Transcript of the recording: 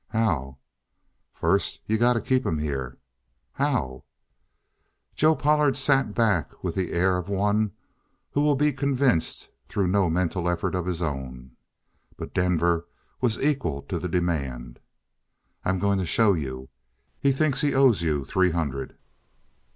"How?" "First, you got to keep him here." "How?" Joe Pollard sat back with the air of one who will be convinced through no mental effort of his own. But Denver was equal to the demand. "I'm going to show you. He thinks he owes you three hundred."